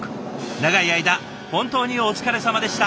長い間本当にお疲れさまでした。